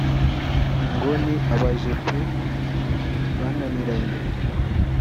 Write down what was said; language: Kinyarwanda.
ngo ni abajepe bananiranye.